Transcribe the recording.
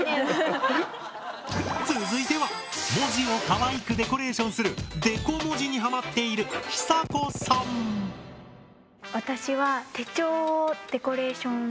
続いては文字をかわいくデコレーションするデコ文字にハマっている私は手帳を。